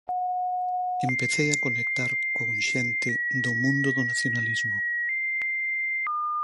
Empecei a conectar con xente do mundo do nacionalismo.